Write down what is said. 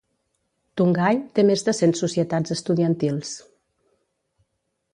Tunghai té més de cent societats estudiantils.